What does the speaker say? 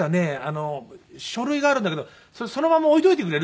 書類があるんだけどそれそのまま置いておいてくれる？